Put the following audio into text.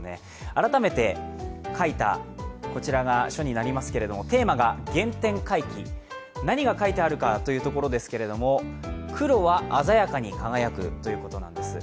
改めて、書いたこちらが書になりますけれども、テーマが原点回帰、何が書いてあるかということですけども黒は鮮やかに輝くということなんです。